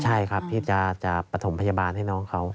ใช่ครับที่จะประถมพยาบาลให้น้องเขา